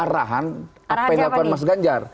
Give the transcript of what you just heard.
tahan apa yang ngapain mas ganjar